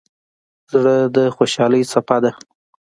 زړه د خوشحالۍ څپه ده.